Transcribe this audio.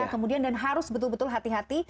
kemudian dan harus betul betul hati hati